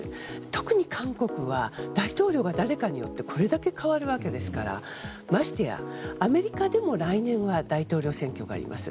特に韓国は大統領が誰かによってこれだけ変わるんですからましてや、アメリカでも来年は大統領選挙があります。